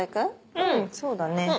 うんそうだね。